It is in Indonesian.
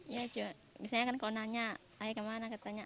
ya biasanya kan kalau nanya ayah kemana ketanya